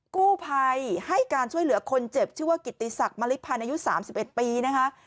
กู้ภัยให้การช่วยเหลือคนเจ็บชื่อว่ากิติศักดิ์มริพันธ์อายุ๓๑ปีนะคะ